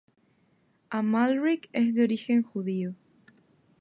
Amalric es de origen judío.